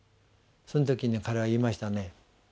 その時に彼は言いましたね。